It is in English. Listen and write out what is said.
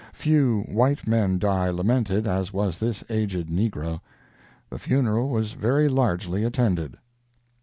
Few white men die lamented as was this aged negro. The funeral was very largely attended."